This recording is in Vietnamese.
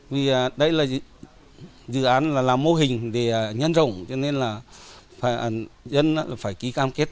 vì đây là dự án làm mô hình để nhân rộng cho nên là dân phải ký cam kết